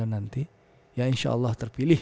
nanti ya insya allah terpilih